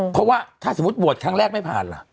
เพราะว่าถ้าสมมุติโหวตครั้งแรกไม่ผ่านล่ะ